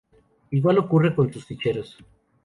Igual ocurre con sus ficheros.